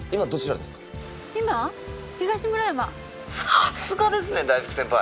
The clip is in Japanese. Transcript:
「さすがですね大福先輩」